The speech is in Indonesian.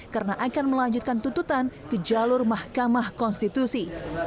karena akan melanjutkan tuntutan ke jalur mahkamah konstitusi